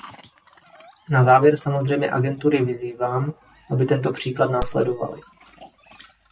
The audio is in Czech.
Na závěr samozřejmě agentury vyzývám, aby tento příklad následovaly.